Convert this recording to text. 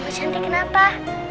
oma oma cantik kenapa